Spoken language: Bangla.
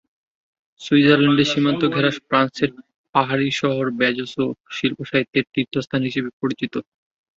সুইজারল্যান্ডের সীমান্ত ঘেরা ফ্রান্সের পাহাড়ি শহর বেজসোঁ শিল্প-সাহিত্যের তীর্থ স্থান হিসেবে পরিচিত।